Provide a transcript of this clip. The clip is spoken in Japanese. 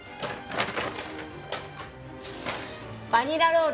バニラロール